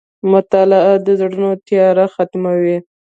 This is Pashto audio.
• مطالعه د زړونو تیاره ختموي.